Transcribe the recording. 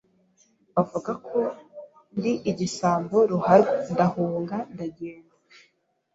bavuga ko ndi igisambo ruharwa ndahunga ndagenda